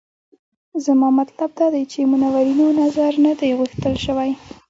زما مطلب دا دی چې منورینو نظر نه دی غوښتل شوی.